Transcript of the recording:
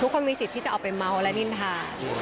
คนมีสิทธิ์ที่จะเอาไปเมาส์และนินทา